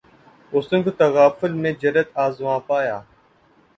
حسن کو تغافل میں جرأت آزما پایا